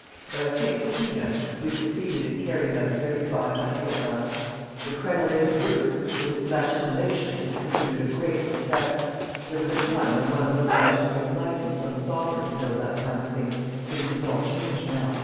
But I think, between us, we succeeded in carrying out a very fine idea at last. The crenellated roof, with its machicolations, is considered a great success. There was a time when one was obliged to get a license from the sovereign to build that kind of thing; but it is all changed now.